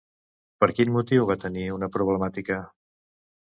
Per quin motiu va tenir una problemàtica?